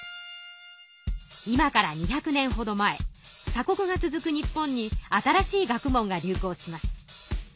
今から２００年ほど前鎖国が続く日本に新しい学問が流行します。